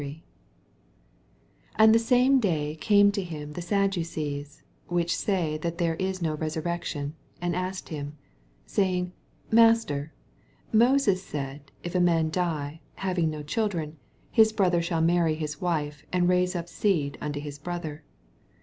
28 And tlie same day came to him the Saddacecft^ which Bay that there 18 no resurrection, and asked him, 24 Saying, Master, Moses said, If a man die, having no children, his brother shall marry his wife, and nuse up seed unto his brother.